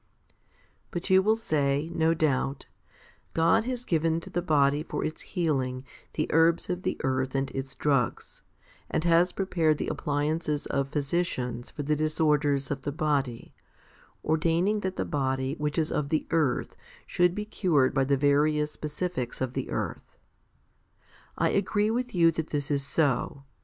5. But you will say, no doubt, "God has given to the body for its healing the herbs of the earth and its drugs, and has prepared the appliances of physicians for the disorders of the body, ordaining that the body which is of the earth should be cured by the various specifics of the earth." I agree with you that this is so.